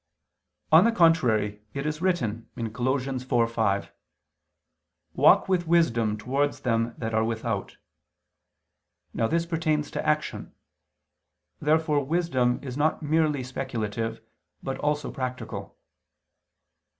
On the contrary, It is written (Col. 4:5): "Walk with wisdom towards them that are without." Now this pertains to action. Therefore wisdom is not merely speculative, but also practical.